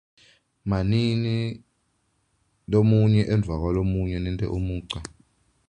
Manini lomunye emva kwalomunye nente umugca.